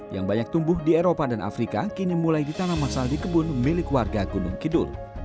yang banyak tumbuh di eropa dan afrika kini mulai ditanam masal di kebun milik warga gunung kidul